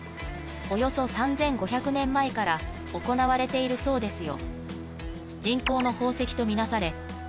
およそ３，５００年前から行われているそうですよ